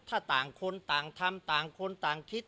ถ้าต่างคนต่างทำต่างคนต่างคิด